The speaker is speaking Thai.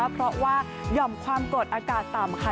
เพราะว่าหย่อมความกดอากาศต่ำค่ะ